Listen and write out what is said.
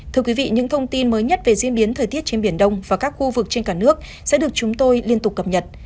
thưa quý vị những thông tin mới nhất về diễn biến thời tiết trên biển đông và các khu vực trên cả nước sẽ được chúng tôi liên tục cập nhật